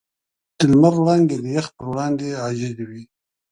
د لمر وړانګې د یخ پر وړاندې عاجزې وې.